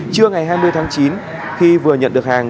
trưa ngày hai mươi tháng chín khi vừa nhận được hàng